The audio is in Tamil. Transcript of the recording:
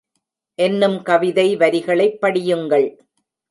என்னும் கவிதை வரிகளைப் படியுங்கள்.